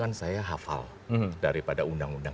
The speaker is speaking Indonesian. dan saya tidak pernah mengancam